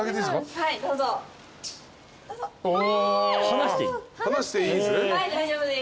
はい大丈夫です。